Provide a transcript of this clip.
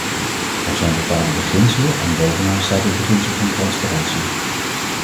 Er zijn bepaalde beginselen en bovenaan staat het beginsel van transparantie.